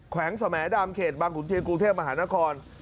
แขวงแสวแหมดามเขตบางกุลเทียนกรุงเทพฯมหานคร